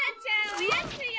おやつよ！